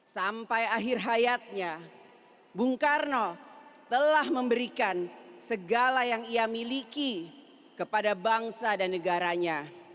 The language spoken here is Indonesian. sampai akhir hayatnya bung karno telah memberikan segala yang ia miliki kepada bangsa dan negaranya